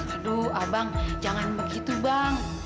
aduh abang jangan begitu bang